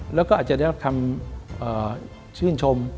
แล้วก็อาจจะได้รับคำชื่นชม